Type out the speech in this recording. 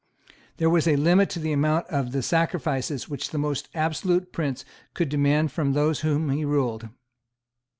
There was a limit to the amount of the sacrifices which the most absolute prince could demand from those whom he ruled.